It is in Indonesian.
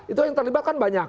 itu yang terlibat kan banyak